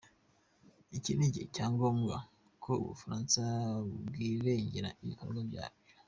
iki ni igihe cya ngombwa ko Ubufaransa bwirengera ibikorwa byabwo.